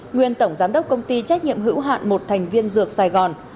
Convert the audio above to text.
nguyên tổng giám đốc công ty trách nhiệm hữu hạn một thành viên dược sài gòn